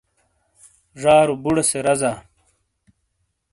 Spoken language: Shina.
ڙارو بوڑے سے رزا۔